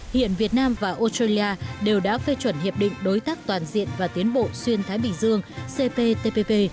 hiện việt nam và australia đều đã phê chuẩn hiệp định đối tác toàn diện và tiến bộ xuyên thái bình dương cptpp